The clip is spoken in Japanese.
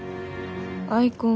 アイコン